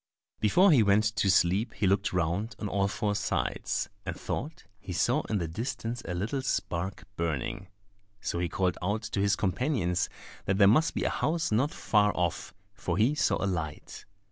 Before he went to sleep he looked round on all four sides, and thought he saw in the distance a little spark burning; so he called out to his companions that there must be a house not far off, for he saw a light.